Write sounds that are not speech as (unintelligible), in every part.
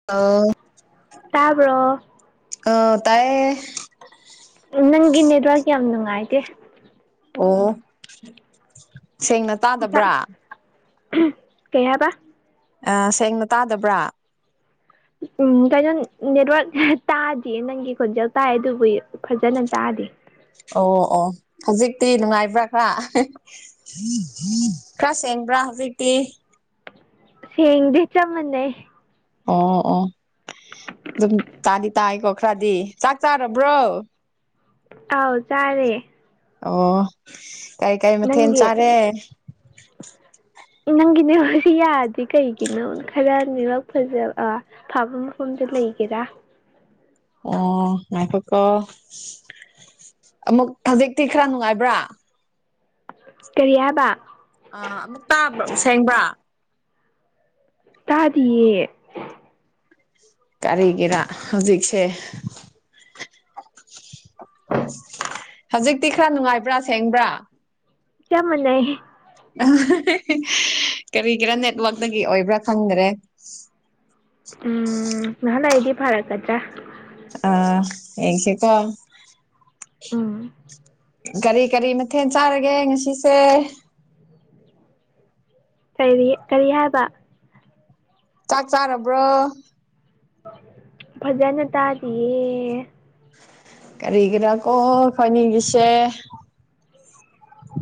(unintelligible) ꯇꯥꯕ꯭ꯔꯣ ꯑꯥ ꯇꯥꯏꯌꯦ ꯅꯪꯒꯤ ꯅꯦꯗ꯭ꯋꯥꯛ ꯌꯥꯝ ꯅꯨꯡꯉꯥꯏꯇꯦ ꯑꯣ ꯁꯦꯡꯅ ꯇꯥꯗꯕ꯭ꯔꯥ ꯀꯩꯍꯥꯏꯕ ꯑꯥ ꯁꯦꯡꯅ ꯇꯥꯗꯕ꯭ꯔꯥ ꯎꯝ ꯀꯩꯅꯣ ꯅꯦꯠꯋꯥꯔꯛ ꯇꯥꯗꯤꯌꯦ ꯅꯪꯒꯤ ꯈꯣꯟꯖꯦꯜ ꯇꯥꯏ ꯑꯗꯨꯕꯨ ꯐꯖꯥꯅ ꯇꯥꯗꯦ ꯑꯣ ꯑꯣ ꯍꯧꯖꯤꯛꯇꯤ ꯅꯨꯡꯉꯥꯏꯕ꯭ꯔꯥ ꯈꯔꯥ ꯈꯔꯥ ꯁꯦꯡꯕ꯭ꯔꯥ ꯍꯧꯖꯤꯛꯇꯤ ꯁꯦꯡ‍ꯗꯦ ꯆꯞꯃꯥꯟꯅꯩ ꯑꯣ ꯑꯣ ꯑꯗꯨꯝ ꯇꯥꯗꯤ ꯇꯥꯥꯏꯀꯣ ꯈꯔꯥꯗꯤ ꯆꯥꯛ ꯆꯥꯔꯕ꯭ꯔꯣ ꯑꯧ ꯆꯥꯔꯦ ꯑꯣ ꯀꯩ ꯀꯩ ꯃꯊꯦꯜ ꯅꯪꯒꯤ ꯆꯥꯔꯦ ꯅꯪꯒꯤ ꯅꯦꯠꯋꯥꯔꯛꯁꯦ ꯌꯥꯗꯦ ꯀꯩꯒꯤꯅꯣ ꯈꯔꯥ ꯅꯦꯠꯋꯥꯔꯛ ꯐꯖꯕꯥ ꯐꯥꯕ ꯃꯐꯝꯗꯥ ꯂꯩꯒꯦꯔꯥ ꯑꯣ ꯉꯥꯏꯈꯣꯀꯣ ꯑꯃꯨꯛ ꯍꯧꯖꯤꯛꯇꯤ ꯈꯔꯥ ꯅꯨꯡꯉꯥꯏꯕ꯭ꯔꯥ ꯀꯔꯤ ꯍꯥꯏꯕ ꯑ ꯑꯃꯨꯛ ꯇꯥꯕ꯭ꯔ ꯁꯦꯡꯕ꯭ꯔꯥ ꯇꯥꯗꯤꯌꯦ ꯀꯔꯤꯒꯤꯔꯥ ꯍꯧꯖꯤꯛꯁꯦ ꯍꯧꯖꯤꯛꯇꯤ ꯈꯔ ꯅꯨꯡꯉꯥꯏꯕ꯭ꯔꯥ ꯁꯦꯡꯕ꯭ꯔꯥ ꯆꯞ ꯃꯟꯅꯩꯌ‌ꯦ ꯀꯔꯤꯒꯤꯔꯥ ꯅꯦꯠꯋꯥꯛꯇꯒꯤ ꯑꯣꯏꯕ꯭ꯔꯥ ꯈꯪꯗꯔꯦ ꯎꯝ (unintelligible) ꯑ ꯌꯦꯡꯁꯤ ꯀꯣ ꯎꯝ ꯀꯔꯤ ꯀꯔꯤ ꯃꯊꯦꯜ ꯆꯥꯔꯒꯦ ꯉꯁꯤꯁꯦ ꯀꯔꯤ ꯀꯔꯤ ꯍꯥꯏꯕ ꯆꯥꯛ ꯆꯥꯔꯕ꯭ꯔꯣ ꯐꯖꯥꯅ ꯇꯥꯗꯤꯌꯦ ꯀꯔꯤꯒꯤꯔꯥ ꯀꯣ ꯈꯣꯏꯅꯤꯡꯒꯤꯁꯦ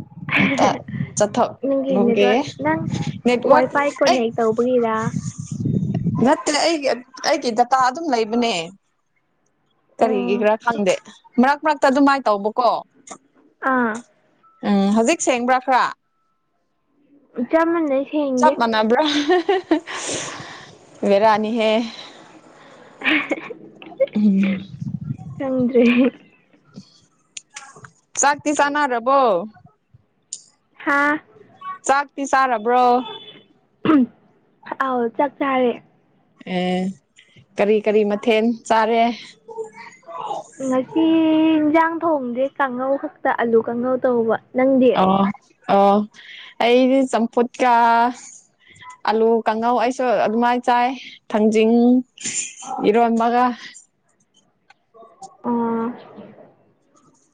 (unintelligible) ꯇ ꯅꯪꯒꯤ ꯆꯠꯊꯣꯛꯂꯨꯒꯦ ꯅꯦꯠꯋꯥꯔꯛ ꯅꯪ ꯋꯥꯏ ꯅꯦꯠꯋꯥꯛ ꯐꯥꯏ ꯀꯣꯅꯦꯛ ꯇꯧꯕꯒꯤꯔ ꯅꯠꯇ꯭ꯔꯦ ꯑꯩꯒꯤ ꯑꯩꯒꯤ ꯗꯇꯥ ꯑꯗꯨꯝ ꯂꯩꯕꯅꯦ ꯑꯣ ꯀꯔꯤꯒꯤꯔ ꯈꯪꯗꯦ ꯃꯔꯛ ꯃꯔꯛꯇ ꯑꯗꯨꯃꯥꯏꯅ ꯇꯧꯕꯀꯣ ꯑꯥ ꯎꯝ ꯍꯧꯖꯤꯛ ꯁꯦꯡꯕ꯭ꯔꯥ ꯈꯔ ꯆꯞ ꯃꯥꯟꯅꯩ ꯁꯦꯡꯗꯦ ꯆꯞ ꯃꯥꯟꯕ꯭ꯔꯥ (unintelligible) ꯕ‌ꯦꯔꯥꯅꯤꯍꯦ ꯎꯝ ꯈꯪꯗ꯭ꯔꯦ ꯆꯥꯛꯇꯤ ꯆꯥꯅꯔꯕꯣ ꯍꯥꯥ ꯆꯥꯛꯇꯤ ꯆꯥꯔꯕ꯭ꯔꯣ ꯑꯥꯎ ꯆꯥꯛ ꯆꯥꯔꯦ ꯑꯦ ꯀꯔꯤ ꯀꯔꯤ ꯃꯊꯦꯜ ꯆꯥꯔꯦ ꯉꯁꯤ ꯌꯦꯟꯁꯥꯡ ꯊꯣꯡꯗꯦ ꯀꯥꯡꯉꯧ ꯈꯛꯇ ꯑꯥꯂꯨ ꯀꯥꯡꯉꯧ ꯇꯧꯕ ꯅꯪꯗꯤ ꯑꯣ ꯑꯣ ꯑꯩꯗꯤ ꯆꯝꯐꯨꯠꯀ ꯑꯂꯨ ꯀꯥꯡꯉꯧ ꯑꯩꯁꯨ ꯑꯗꯨꯃꯥꯏꯅ ꯆꯥꯏ ꯊꯥꯡꯖꯤꯡ ꯏꯔꯣꯟꯕꯒ ꯑꯣ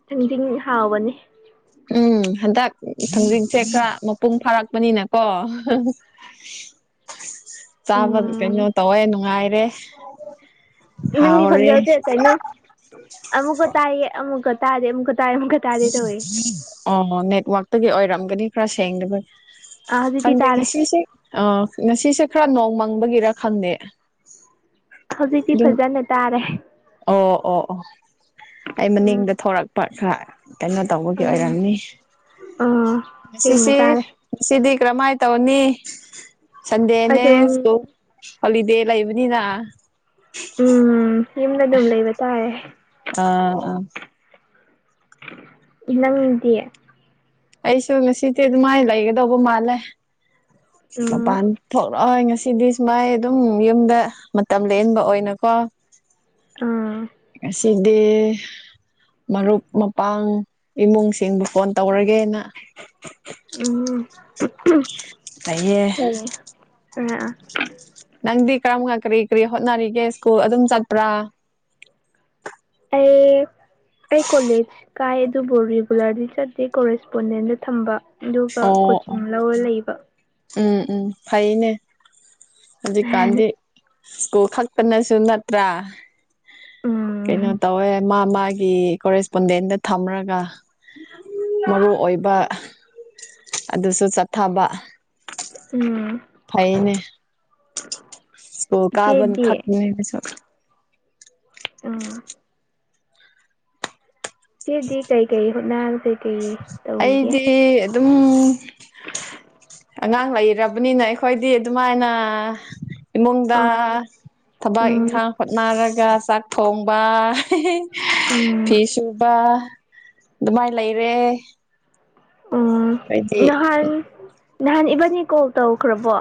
ꯊꯤꯡꯖꯤꯡꯗꯤ ꯍꯥꯎꯕꯅꯤ ꯎꯝ ꯍꯟꯗꯛ ꯊꯥꯡꯖꯤꯡꯁꯦ ꯈꯔ ꯃꯄꯨꯡ ꯐꯥꯔꯛꯄꯅꯤꯅꯀꯣ ꯆꯥꯕ ꯎꯝ ꯀꯩꯅꯣ ꯇꯧꯋꯦ ꯅꯨꯡꯉꯥꯏꯔꯦ ꯅꯪꯒꯤ ꯍꯥꯎꯔꯦ ꯈꯣꯟꯖꯦꯜꯁꯦ ꯀꯩꯅꯣ ꯑꯃꯨꯛꯀ ꯇꯥꯏꯌꯦ ꯑꯃꯨꯛꯀ ꯇꯥꯗꯦ ꯑꯃꯨꯛꯀ ꯇꯥꯏꯌꯦ ꯑꯃꯨꯛꯀ ꯇꯥꯗꯦ ꯇꯧꯋꯦ ꯑꯣ ꯅꯦꯠꯋꯥꯛꯇꯒꯤ ꯑꯣꯏꯔꯝꯒꯅꯤ ꯈꯔ ꯁꯦꯡꯗꯕꯒꯤ ꯑꯥ ꯍꯧꯖꯤꯛꯇꯤ ꯈꯪꯗꯦ ꯇꯥꯔꯦ ꯉꯁꯤꯁꯦ ꯑ ꯉꯁꯤꯁꯦ ꯈꯔ ꯅꯣꯡ ꯃꯪꯕꯒꯤꯔ ꯈꯪꯗꯦ ꯍꯧꯖꯤꯛꯇꯤ ꯑꯗꯨꯝ ꯐꯖꯅ ꯇꯥꯔꯦ ꯑꯣ ꯑꯣ ꯑꯣ ꯑꯩ ꯃꯅꯤꯡꯗ ꯎꯝ ꯊꯣꯔꯛ ꯄꯥꯠ ꯈꯔ ꯀꯩꯅꯣ ꯇꯧꯕꯒꯤ ꯎꯝ ꯑꯣꯏꯔꯝꯃꯤ ꯑꯥ ꯁꯦꯡꯅ ꯁꯤꯁꯤ ꯇꯥꯔꯦ ꯉꯁꯤꯗꯤ ꯀꯔꯝꯃꯥꯏꯅ ꯇꯧꯅꯤ ꯁꯟꯗꯦꯅꯦ ꯑꯗꯨꯝ ꯁꯀꯨꯜ ꯍ‌ꯣꯜꯂꯤꯗ‌ꯦ ꯂꯩꯕꯅꯤꯅ ꯎꯝ ꯌꯨꯝꯗ ꯑꯗꯨꯝ ꯂꯩꯕ ꯇꯥꯔꯦ ꯑꯥ ꯑꯥ ꯅꯪꯗꯤ ꯑꯩꯁꯨ ꯉꯁꯤꯗꯤꯦ ꯑꯗꯨ ꯃꯥꯏ ꯂꯩꯒꯗꯧꯕ ꯃꯥꯜꯂꯦ ꯎꯝ ꯃꯄꯥꯟ ꯊꯣꯛꯑꯣꯏ ꯉꯁꯤꯗꯤ ꯁꯨꯃꯥꯏ ꯑꯗꯨꯝ ꯌꯨꯝꯗ ꯃꯇꯝ ꯂ‌ꯦꯟꯕ ꯑꯣꯏꯅꯀꯣ ꯎꯝ ꯉꯥꯁꯤꯗꯤ ꯃꯔꯨꯞ ꯃꯄꯥꯡ ꯏꯃꯨꯡꯁꯤꯡꯕꯨ ꯐꯣꯟ ꯇꯧꯔꯒꯦꯅ ꯎꯝ ꯂꯩꯌꯦ ꯐꯩꯌꯦ (unintelligible) ꯅꯪꯗꯤ ꯀꯔꯝ ꯀꯔꯤ ꯀꯔꯤ ꯍꯣꯠꯅꯔꯤꯒꯦ ꯁ꯭ꯀꯨꯜ ꯑꯗꯨꯝ ꯆꯠꯄ꯭ꯔꯥ ꯑꯩ ꯑꯩ ꯀꯣꯂꯦꯖ ꯄꯨꯗꯤ ꯀꯥꯏ ꯑꯗꯨꯕꯨ ꯔꯤꯒꯨꯂꯔꯂꯤ ꯆꯠꯇꯦ ꯀꯣꯔꯦꯁꯄꯣꯟꯗꯦꯗ ꯊꯝꯕ ꯑꯗꯨꯒ ꯑꯣ ꯑꯣ ꯀꯣꯆꯤꯡ ꯂꯧꯔ ꯂꯩꯕ ꯎꯝ ꯎꯝ ꯐꯩꯌꯦꯅꯦ ꯍꯧꯖꯤꯛꯀꯥꯟꯗꯤ ꯁꯀꯨꯜ ꯈꯛꯇꯅꯁꯨ ꯅꯠꯇ꯭ꯔꯥ ꯀꯩꯅꯣ ꯎꯝ ꯇꯧꯋꯦ ꯃꯥ ꯃꯥꯒꯤ ꯀꯣꯔꯦꯁꯄꯣꯟꯗꯦꯟꯗ ꯊꯝꯔꯒ (inaudible) ꯃꯔꯨ ꯑꯣꯏꯕ ꯑꯗꯨꯁꯨ ꯆꯠꯊꯕ ꯎꯝ ꯐꯩꯅꯦ ꯁꯀꯨꯜ ꯀꯥꯕ ꯏꯆꯦꯗꯤ ꯈꯛꯅꯦ (unintelligible) ꯎꯝ ꯁꯤꯗꯤ ꯀꯩ ꯀꯩ ꯍꯣꯠꯅꯔꯤꯒꯦ ꯀꯩ ꯀꯩ ꯑꯩꯗꯤ ꯑꯗꯨꯝ ꯑꯉꯥꯡ ꯂꯩꯔꯕꯅꯤꯅ ꯑꯩꯈꯣꯏꯗꯤ ꯑꯗꯨꯃꯥꯏꯅ ꯏꯃꯨꯡꯗ ꯑꯥ ꯊꯕꯛ ꯎꯝ ꯏꯪꯈꯥꯡ ꯍꯣꯠꯅꯔꯒ ꯆꯥꯛ ꯊꯣꯡꯕ ꯎꯝ ꯐꯤ ꯁꯨꯕ ꯑꯗꯨꯃꯥꯏꯅ ꯂꯩꯔꯦ ꯎꯝ ꯑꯩꯈꯣꯏꯗꯤ ꯅꯍꯥꯟ ꯅꯍꯥꯟ ꯏꯕꯥꯅꯤ ꯀꯣꯜ ꯇꯧꯈ꯭ꯔꯕꯣ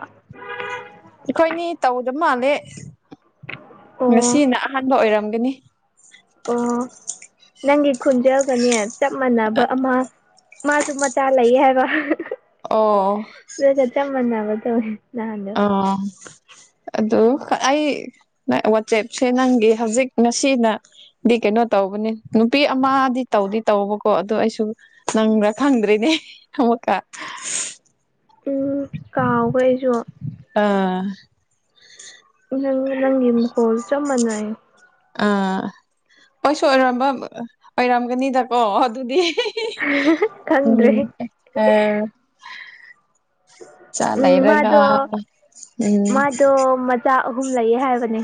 ꯑꯩꯈꯣꯏꯅꯤ ꯇꯧꯗꯕ ꯃꯥꯜꯂꯦ ꯑꯣ ꯉꯁꯤꯅ ꯑꯍꯥꯟꯕ ꯑꯣꯏꯔꯝꯒꯅꯤ ꯑꯣ ꯅꯪꯒꯤ ꯈꯣꯟꯖꯦꯜꯒꯅꯦ ꯆꯞ ꯃꯥꯟꯅꯕ ꯑꯃ ꯃꯥꯁꯨ ꯃꯆꯥ ꯂꯩ ꯍꯥꯏꯕ ꯑꯣ ꯑꯗꯨꯒ ꯆꯞ ꯃꯥꯟꯅꯕ ꯇꯧꯏ ꯑꯣ ꯑꯗꯨ ꯑꯩ ꯋꯥꯆꯦꯞꯁꯦ ꯅꯪꯒꯤ ꯍꯧꯖꯤꯛ ꯉꯁꯤꯅ ꯗꯤ ꯀꯩꯅꯣ ꯇꯧꯕꯅꯤ ꯅꯨꯄꯤ ꯑꯃꯗꯤ ꯇꯧꯗꯤ ꯇꯧꯕꯀꯣ ꯑꯗꯨ ꯑꯩꯁꯨ ꯅꯪꯔ ꯈꯪꯗ꯭ꯔꯦꯅꯦ ꯑꯃꯨꯛꯀ ꯎꯝ ꯀꯥꯎꯒꯔꯦ ꯑꯩꯁꯨ ꯑꯥ ꯅꯪ ꯅꯪꯒꯤ ꯃꯈꯣꯜ ꯆꯞ ꯃꯥꯟꯅꯩ ꯑꯥ ꯑꯣꯏꯁꯨ ꯑꯣꯏꯔꯝꯕ ꯑꯣꯏꯔꯝꯒꯅꯤꯗꯀꯣ ꯑꯗꯨꯗꯤ ꯈꯪꯗ꯭ꯔꯦ ꯎꯝ ꯑ ꯏꯆꯥ ꯎꯝ ꯂꯩꯔꯒ ꯃꯥꯗꯣ ꯎꯝ ꯏꯆꯥ ꯑꯍꯨꯝ ꯂꯩꯌꯦ ꯍꯥꯏꯕꯅꯦ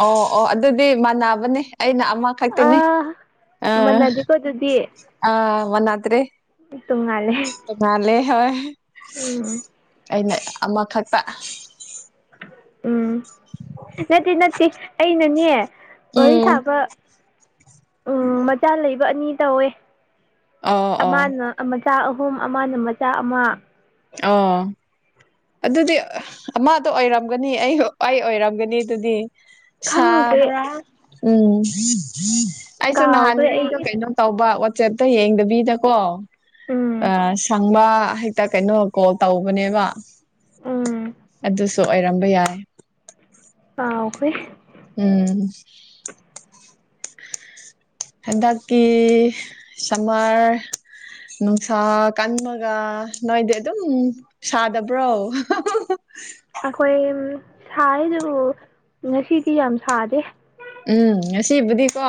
ꯑꯣ ꯑꯣ ꯑꯗꯨꯗꯤ ꯃꯥꯟꯅꯕꯅꯦ ꯑꯩꯅ ꯑꯃ ꯈꯛꯇꯥꯅꯦ ꯑꯥ ꯑ ꯃꯥꯟꯅꯗꯦꯀꯣ ꯑ ꯃꯥꯟꯅꯗꯔ꯭ꯦ ꯇꯣꯉꯥꯜꯂꯦ ꯇꯣꯉꯥꯜꯂꯦ ꯍꯣꯏ ꯑꯩꯅ ꯑꯃꯈꯛꯇ ꯎꯝ ꯅꯠꯇꯦ ꯅꯠꯇꯦ ꯑꯩꯅꯅꯦ ꯋꯥꯔꯤ ꯎꯝ ꯁꯥꯕ ꯎꯝ ꯃꯆꯥ ꯂꯩꯕ ꯑꯅꯤ ꯇꯧꯋꯦ ꯑꯣ ꯑꯣ ꯑꯃꯅ ꯃꯆꯥ ꯑꯍꯨꯝ ꯑꯃꯅ ꯃꯆꯥ ꯑꯃ ꯑꯣ ꯑꯗꯨꯗꯤ ꯑꯃꯗꯣ ꯑꯣꯏꯔꯝꯒꯅꯤ ꯑꯩ ꯑꯩ ꯑꯣꯏꯔꯝꯒꯅꯤ ꯑꯗꯨꯗꯤ ꯈꯪꯗ꯭ꯔꯦ ꯁꯥꯕ꯭ꯔꯥ ꯎꯝ ꯑꯩꯁꯨ ꯅꯍꯥꯟ ꯀꯥꯎꯈ꯭ꯔꯦ ꯑꯩꯗꯣ ꯑꯩ ꯀꯩꯅꯣ ꯇꯧꯕ ꯋꯥꯆꯦꯞꯇ ꯌꯦꯡꯗꯕꯤꯗꯀꯣ ꯎꯝ ꯁꯪꯕ ꯀꯩꯅꯣ ꯀꯣꯜ ꯇꯧꯕꯅꯦꯕꯥ꯫ ꯎꯝ꯫ ꯑꯗꯨꯁꯨ ꯑꯣꯏꯔꯝꯕ ꯌꯥꯏ꯫ ꯀꯥꯎꯈꯔ꯭ꯦ ꯎꯝ꯫ ꯍꯟꯗꯛꯇꯤ ꯁꯃꯔ ꯅꯨꯡꯁꯥ ꯀꯟꯕꯒ ꯅꯣꯏꯗꯤ ꯑꯗꯨꯝ ꯁꯥꯗꯕ꯭ꯔꯣ (unintelligible) ꯑꯩꯈꯣꯏ ꯁꯥꯏ ꯑꯗꯨꯕꯨ ꯉꯁꯤꯗꯤ ꯌꯥꯝ ꯁꯥꯗꯦ ꯎꯝ ꯉꯁꯤꯕꯨꯗꯤꯀꯣ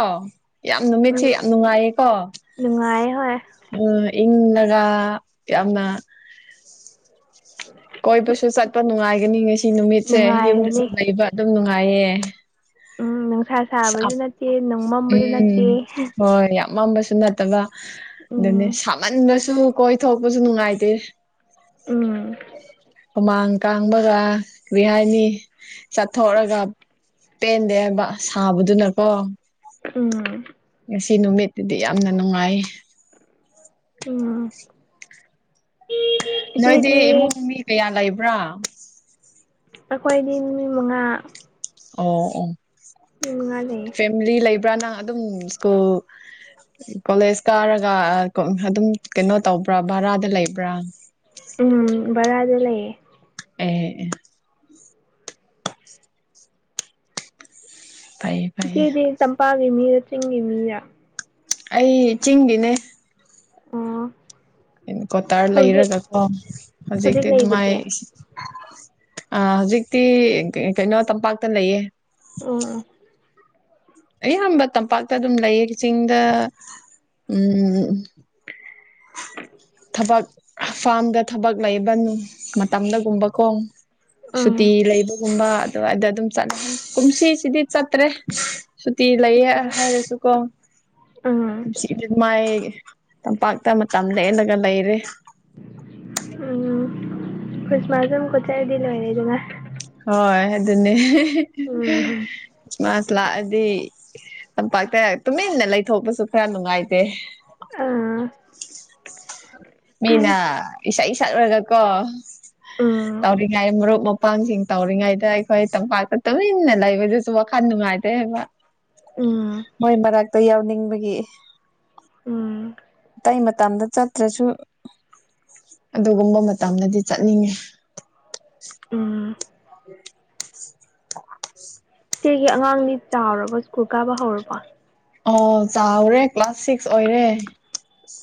ꯌꯥꯝ ꯅꯨꯃꯤꯠꯁꯤ ꯎꯝ ꯌꯥꯝ ꯅꯨꯡꯉꯥꯏꯌꯦꯀꯣ꯫ ꯑꯣ ꯅꯨꯡꯉꯥꯏ ꯍꯣꯏ ꯏꯪꯂꯒ ꯌꯥꯝꯅ ꯀꯣꯏꯕꯁꯨ ꯆꯠꯄ ꯅꯨꯡꯉꯥꯏꯒꯅꯤ ꯉꯁꯤ ꯅꯨꯃꯤꯠꯁꯦ ꯌꯨꯝꯗꯁꯨ ꯅꯨꯡꯉꯥꯏꯔꯅꯤ ꯂꯩꯕ ꯑꯗꯨꯝ ꯅꯨꯡꯉꯥꯏꯌꯦ ꯎꯝ ꯅꯨꯡꯁꯥ ꯁꯥꯕꯁꯨ ꯅꯠꯇꯦ ꯃꯝꯕꯁꯨ ꯅꯠꯇꯦ ꯎꯝ ꯍꯣꯏ ꯌꯥꯝ ꯃꯝꯕꯁꯨ ꯅꯠꯇꯕ ꯑꯗꯨꯅꯤ ꯎꯝ ꯁꯥꯃꯟꯕꯁꯨ ꯀꯣꯏꯊꯣꯛꯄꯁꯨ ꯅꯨꯡꯉꯥꯏꯇꯦ (inaudible) ꯎꯝ ꯍꯨꯃꯥꯡ ꯀꯥꯡꯕꯒ ꯀꯔꯤꯍꯥꯏꯅꯤ ꯆꯠꯊꯣꯛꯔꯒꯥ ꯄꯦꯟꯗꯦ ꯍꯥꯏꯕ ꯁꯥꯕꯗꯨꯅꯀꯣ ꯎꯝ ꯉꯁꯤ ꯅꯨꯃꯤꯠꯇꯨꯗꯤ ꯌꯥꯝꯅ ꯅꯨꯡꯉꯥꯏꯌꯦ ꯎꯝ ꯅꯣꯏꯗꯤ ꯏꯆꯦꯗꯤ ꯏꯃꯨꯡ ꯃꯤ ꯀꯌꯥ ꯂꯩꯕ꯭ꯔꯥ ꯑꯩꯈꯣꯏꯗꯤ ꯃꯤ ꯃꯉꯥ ꯑꯣ ꯑꯣ ꯃꯤ ꯃꯉꯥ ꯂꯩꯌꯦ ꯃꯔꯤ ꯂꯩꯕ꯭ꯔꯥ ꯅꯪ ꯑꯗꯨꯝ ꯁ꯭ꯀꯨꯜ ꯀꯣꯂꯦꯖ ꯀꯥꯔꯒ ꯑꯗꯨꯝ ꯀꯩꯅꯣ ꯇꯧꯕ꯭ꯔꯥ ꯚꯔꯥꯗ ꯂꯩꯕ꯭ꯔꯥ꯫ ꯎꯝ ꯕꯔꯥꯗ ꯂꯩꯌꯦ ꯑꯦ ꯑꯦ ꯐꯩ ꯏꯆꯦꯗꯤ ꯇꯝꯄꯥꯛꯒꯤ ꯃꯤꯔ ꯆꯤꯡꯒꯤ ꯃꯤꯔ꯫ ꯑꯩ ꯆꯤꯡꯒꯤꯅꯦ ꯑꯣ꯫ ꯀꯣꯇꯥꯔ ꯍꯧꯖꯤꯛ ꯂꯩꯔꯒꯀꯣ ꯍꯧꯖꯤꯛ ꯍꯧꯖꯤꯛꯇꯤ ꯑꯗꯨꯃꯥꯏ ꯂꯩꯕꯗꯤ ꯑ ꯍꯧꯖꯤꯛꯇꯤ ꯀꯩꯅꯣ ꯇꯝꯄꯥꯛꯇ ꯂꯩꯌꯦ ꯎꯝ ꯑꯌꯥꯝꯕ ꯇꯝꯄꯥꯛꯇ ꯑꯗꯨꯝ ꯂꯩꯌꯦ ꯆꯤꯡꯗ ꯎꯝ ꯊꯕꯛ ꯐꯥꯝꯗ ꯊꯕꯛ ꯂꯩꯕ ꯃꯇꯝꯗꯒꯨꯝꯕꯀꯣ ꯁꯨꯇꯤ ꯎꯝ ꯂꯩꯕ ꯒꯨꯝꯕ ꯑꯗꯨꯋꯥꯏꯗ ꯑꯗꯨꯝ ꯆꯠꯂꯦ ꯀꯨꯝꯁꯤꯁꯤꯗꯤ ꯆꯠꯇ꯭ꯔꯦ ꯁꯨꯇꯤ ꯂꯩꯌꯦ ꯍꯥꯏꯔꯁꯨꯀꯣ ꯎꯝ ꯀꯨꯝꯁꯤꯗꯤ ꯁꯨꯃꯥꯏ ꯇꯝꯄꯥꯛꯇ ꯃꯇꯝ ꯂꯦꯂꯒ ꯂꯩꯔꯦ ꯎꯝ ꯈ꯭ꯔꯤꯁꯃꯥꯁ ꯑꯃꯨꯛꯀꯥ ꯆꯠꯂꯥꯗꯤ ꯂꯣꯏꯔꯦꯗꯅ ꯍꯣꯏ ꯍꯥꯏꯦꯗꯨꯅꯤ ꯍꯦꯍꯦ ꯎꯝ ꯂꯥꯛꯑꯗꯤ ꯇꯝꯄꯥꯛꯇ ꯇꯨꯃꯤꯟꯅ ꯂꯩꯊꯣꯛꯄꯁꯨ ꯈꯔ ꯅꯨꯡꯉꯥꯏꯇꯦ ꯑꯥ ꯃꯤꯅ ꯏꯁꯩ ꯁꯛꯔꯒꯀꯣ ꯎꯝ ꯇꯧꯔꯤꯒꯥꯏ ꯃꯔꯨꯞ (unintelligible) ꯄꯥꯥꯡꯁꯤꯡ ꯇꯧꯔꯤꯉꯩꯗ ꯑꯩꯈꯣꯏ ꯇꯝꯄꯥꯛꯇ ꯇꯨꯃꯤꯟꯅ ꯂꯩꯕꯗꯨꯁꯨ ꯋꯥꯈꯜ ꯅꯨꯡꯉꯥꯏꯇꯦꯕ ꯎꯝ ꯃꯣꯏ ꯃꯔꯛꯇ ꯌꯥꯎꯅꯤꯡꯕꯒꯤ ꯎꯝ ꯑꯇꯩ ꯃꯇꯝꯗ ꯆꯠꯇ꯭ꯔꯁꯨ ꯑꯗꯨꯒꯨꯝꯕ ꯃꯇꯝꯗꯗꯤ ꯆꯠꯅꯤꯡꯉꯦ ꯎꯝ (inaudible) ꯏꯆꯦꯒꯤ ꯑꯉꯥꯡꯗꯤ ꯆꯥꯎꯔꯕ ꯁ꯭ꯀꯨꯜ ꯀꯥꯕ ꯍꯧꯔꯕꯣ ꯑꯣ ꯆꯥꯎꯔꯦ ꯀ꯭ꯂꯥꯁ ꯁꯤꯛꯁ ꯑꯣꯏꯔꯦ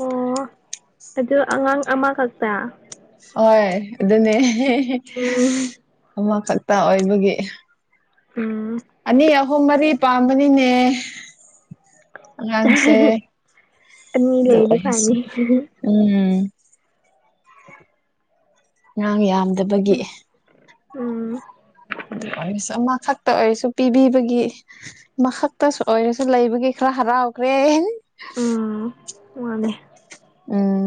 ꯑꯣ ꯑꯗꯨ ꯑꯉꯥꯡ ꯑꯃꯈꯛꯇꯔꯥ ꯍꯣꯏ ꯑꯗꯨꯅꯦ ꯎꯝ ꯑꯃꯈꯛꯇ ꯑꯣꯏꯕꯒꯤ꯫ ꯑꯣ ꯑꯅꯤ ꯑꯍꯨꯝ ꯃꯔꯤ ꯄꯥꯝꯕꯅꯤꯅꯦ ꯂꯥꯡꯁꯦ ꯑꯅꯤ ꯂꯩꯔꯗꯤ ꯑꯗꯨꯑꯣꯏꯔꯁꯨ꯫ ꯐꯅꯤ ꯎꯝ ꯑꯉꯥꯡ ꯌꯥꯝꯗꯕꯒꯤ꯫ ꯑꯣ ꯑꯗꯨꯑꯣꯏꯔꯁꯨ ꯑꯃ ꯈꯛꯇ ꯑꯣꯏꯔꯁꯨ꯫ ꯄꯤꯕꯤꯕꯒꯤ ꯑꯃꯈꯛꯇꯁꯨ ꯑꯣꯏꯔꯁꯨ ꯂꯩꯕꯒꯤ ꯈꯔ ꯍꯔꯥꯎꯈ꯭ꯔꯦ ꯎꯝ ꯃꯥꯅꯦ ꯎꯝ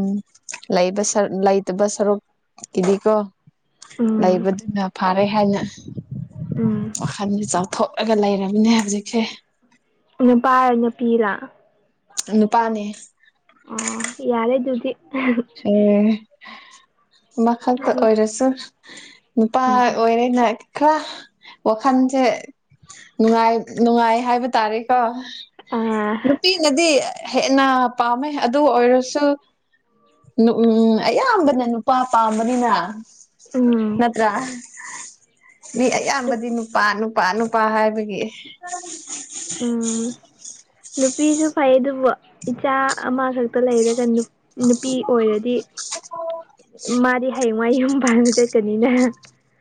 ꯂꯩꯕ ꯁꯔ ꯂꯩꯇꯕ ꯁꯔꯨꯛꯀꯤꯗꯤꯀꯣ ꯎꯝ ꯂꯩꯕꯗꯨꯅ ꯐꯔꯦ ꯍꯥꯏꯅ꯫ ꯎꯝ ꯋꯥꯈꯜꯁꯦ ꯆꯥꯎꯊꯣꯛꯑꯒ ꯂꯩꯔꯝꯅꯦ ꯍꯧꯖꯤꯛꯁꯦ ꯅꯨꯄꯥꯔ ꯅꯨꯄꯤꯂ ꯅꯨꯄꯥꯅꯦ ꯑꯣ ꯌꯥꯔꯦ ꯑꯗꯨꯗꯤ ꯑꯦ ꯑꯃꯈꯥꯛꯇ ꯎꯝ ꯑꯣꯏꯔꯁꯨ ꯅꯨꯄꯥ ꯑꯣꯏꯔꯦ ꯅꯛ ꯈꯔ ꯋꯥꯈꯟꯁꯦ ꯅꯨꯡꯉꯥꯏ ꯅꯨꯡꯉꯥꯏ ꯍꯥꯏꯕ ꯇꯥꯔꯦꯀꯣ ꯑꯥ ꯅꯨꯄꯤꯅꯗꯤ ꯍꯦꯟꯅ ꯄꯥꯝꯃꯦ ꯑꯗꯨ ꯑꯣꯏꯔꯁꯨ꯫ ꯅꯨ ꯎꯝ ꯑꯌꯥꯝꯕꯅ ꯅꯨꯄꯥ ꯄꯥꯝꯕꯅꯤꯅ ꯎꯝ ꯅꯠꯇ꯭ꯔꯥ꯫ ꯃꯤ ꯑꯌꯥꯝꯕꯗꯤ ꯅꯨꯄꯥ ꯅꯨꯄꯥ ꯅꯨꯄꯥ ꯍꯥꯏꯕꯒꯤ ꯎꯝ (inaudible) ꯅꯨꯄꯤꯁꯨ ꯐꯩ ꯑꯗꯨꯕꯨ ꯏꯆꯥ ꯑꯃꯈꯛꯇ ꯂꯩꯔꯒꯅꯤ ꯅꯨꯄꯤ ꯑꯣꯏꯔꯗꯤ ꯃꯥꯗꯤ ꯍꯌꯦꯡꯋꯥꯏ ꯌꯨꯝ ꯄꯥꯟꯕ ꯆꯠꯀꯅꯤꯅ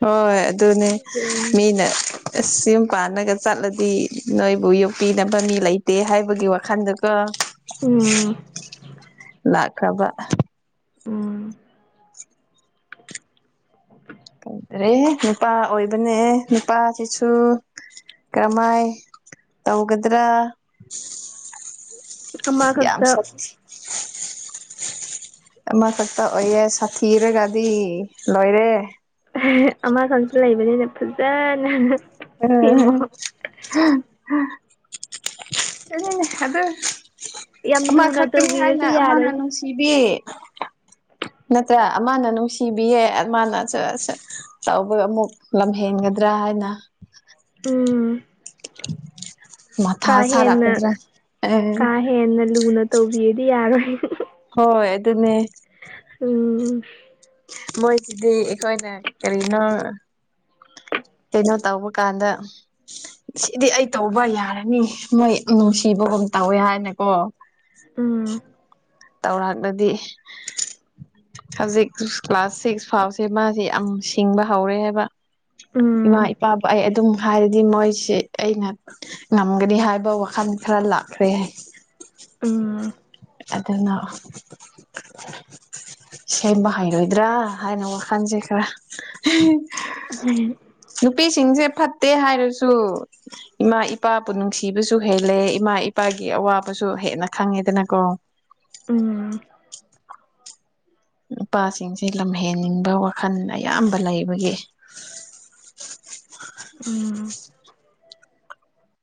ꯍꯣꯏ ꯑꯗꯨꯅꯦ ꯎꯝ ꯃꯤꯅ ꯑꯁ ꯌꯨꯝ ꯄꯥꯟꯅꯒ ꯆꯠꯂꯗꯤ ꯅꯣꯏꯕꯨ ꯌꯣꯛꯄꯤꯅꯕ ꯃꯤ ꯂꯩꯇꯦ ꯍꯥꯏꯕꯒꯤ ꯋꯥꯈꯜꯗꯀꯣ ꯎꯝ ꯂꯥꯛꯈ꯭ꯔꯕ ꯑꯍ ꯎꯝ ꯀꯪꯗꯔꯦ ꯅꯨꯄꯥ ꯑꯣꯏꯕꯅꯦ ꯅꯨꯄꯥꯁꯤꯁꯨ꯫ ꯀꯔꯝꯃꯥꯏ ꯇꯧꯒꯗ꯭ꯔꯥ ꯌꯥꯝ ꯑꯃꯈꯛꯇ ꯁꯠ__ ꯑꯃꯈꯛꯇ ꯑꯣꯏꯌꯦ ꯁꯥꯊꯤꯔꯒꯗꯤ ꯂꯣꯏꯔꯦ꯫ ꯑꯃ ꯈꯛꯇ ꯂꯩꯕꯅꯤꯅ ꯐꯖꯅ꫰꫰ (unintelligible) ꯁꯦꯝꯃꯣ (unintelligible) ꯑꯗꯨ ꯌꯥꯝ ꯑꯃ ꯂꯨꯅ ꯈꯛꯇꯅꯤ ꯍꯥꯏꯅ ꯇꯧꯕꯤꯔꯁꯨ ꯑꯃꯅ ꯌꯥꯔꯣꯏꯅꯦ ꯅꯨꯡꯁꯤꯕꯤ ꯅꯠꯇ꯭ꯔ ꯑꯃꯅ ꯅꯨꯡꯁꯤꯕꯤꯌꯦ ꯃꯥꯅ (unintelligible) ꯇꯧꯕꯒ ꯑꯃꯨꯛ ꯂꯝꯍꯦꯟꯒꯗ꯭ꯔꯥ ꯍꯥꯏꯅ ꯎꯝ꯫ ꯃꯊꯥ ꯀꯥ ꯍꯦꯟꯅ ꯁꯥꯔꯛꯀꯗꯔ ꯀꯥ ꯍꯦꯟꯅ ꯂꯨꯅ ꯇꯧꯕꯤꯗꯤ ꯌꯥꯔꯣꯏ꯫ ꯍꯣꯏ ꯑꯗꯨꯅꯦ ꯎꯝ ꯃꯣꯏꯁꯤꯗꯤ ꯑꯩꯈꯣꯏꯅ ꯀꯔꯤꯅꯣ ꯀꯩꯅꯣ ꯇꯧꯕ ꯀꯥꯟꯗ ꯁꯤꯗꯤ ꯑꯩ ꯇꯧꯕ ꯌꯥꯔꯅꯤ ꯃꯣꯏ ꯅꯨꯡꯁꯤꯕꯒꯨꯝ ꯇꯧꯋꯦ ꯍꯥꯏꯅꯀꯣ ꯎꯝ ꯇꯥꯎꯔꯥꯛꯂꯗꯤ ꯍꯧꯖꯤꯛ ꯀ꯭ꯂꯥꯁ ꯁꯤꯛꯁ ꯐꯥꯎꯁꯦ ꯃꯥꯖꯤ ꯌꯥꯝ ꯁꯤꯡꯕ ꯍꯧꯔꯦ ꯍꯥꯏꯕ ꯏꯃꯥ ꯏꯄꯥꯕꯨ ꯑꯩ ꯑꯗꯨꯝ ꯍꯥꯏꯔꯗꯤ ꯃꯣꯏꯁꯤ ꯑꯩꯅ ꯉꯝꯒꯅꯤ ꯍꯥꯏꯕ ꯋꯥꯈꯜ ꯈꯔ ꯂꯥꯛꯈ꯭ꯔꯦ ꯍꯥꯏ ꯎꯝ ꯗꯨꯅ ꯁꯦꯡꯕ ꯍꯩꯔꯣꯏꯗ꯭ꯔꯥ ꯍꯥꯏꯅ ꯋꯥꯈꯜꯁꯦ ꯈꯔ ꯎꯝ ꯅꯨꯄꯤꯁꯤꯡꯁꯦ ꯐꯠꯇꯦ ꯍꯥꯏꯔꯁꯨ ꯏꯃꯥ ꯏꯄꯥꯕꯨ ꯅꯨꯡꯁꯤꯕꯁꯨ ꯍꯦꯜꯂꯦ ꯏꯃꯥ ꯏꯄꯥꯒꯤ ꯑꯋꯥꯕꯁꯨ ꯍꯦꯟꯅ ꯈꯪꯉꯦꯗꯅꯀꯣ ꯎꯝ ꯅꯨꯄꯥꯁꯤꯡꯁꯦ ꯂꯝꯍꯦꯟꯅꯤꯡꯕ ꯋꯥꯈꯜ ꯑꯌꯥꯝꯕ ꯂꯩꯕꯒꯤ ꯎꯝ